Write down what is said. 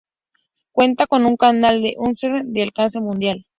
Cuenta con un canal en Ustream.tv de alcance mundial.